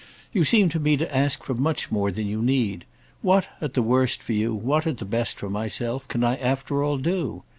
"You seem to me to ask for much more than you need. What, at the worst for you, what at the best for myself, can I after all do?